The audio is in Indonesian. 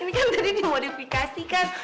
ini kan tadi dimodifikasi kan